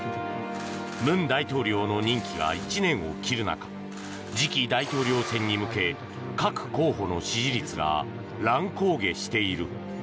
文大統領の任期が１年を切る中次期大統領選に向け各候補の支持率が乱高下している。